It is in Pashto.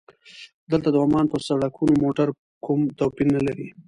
دلته د عمان پر سړکونو موټر کوم توپیر نه لري.